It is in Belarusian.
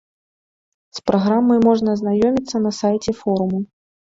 З праграмай можна азнаёміцца на сайце форуму.